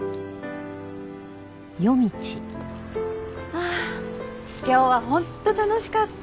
ああ今日は本当楽しかった。